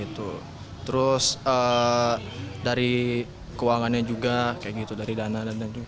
terus dari keuangannya juga dari dana dan lain lain